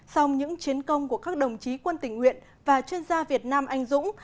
song những chiến công của các đồng chí quân tình nguyện và chuyên gia việt nam anh dũng